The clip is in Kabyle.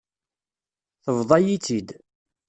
Tebḍa-yi-tt-id.